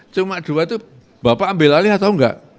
cuma dua itu bapak ambil alih atau enggak